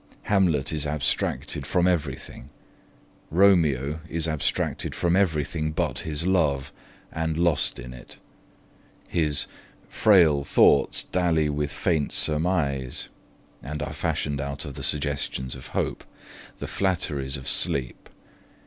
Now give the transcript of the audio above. Hamlet is abstracted from everything; Romeo is abstracted from everything but his love, and lost in it. His 'frail thoughts dally with faint surmise', and are fashioned out of the suggestions of hope, 'the flatteries of sleep'.